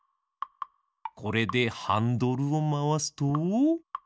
これでハンドルをまわすと。